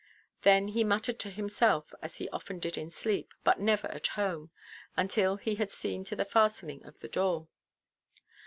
Then he muttered to himself, as he often did in sleep, but never at home, until he had seen to the fastening of the door.